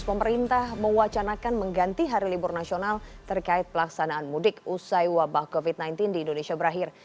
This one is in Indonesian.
pemerintah mewacanakan mengganti hari libur nasional terkait pelaksanaan mudik usai wabah covid sembilan belas di indonesia berakhir